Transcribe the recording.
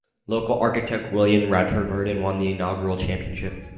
Local architect William Radford Bryden won the inaugural championship.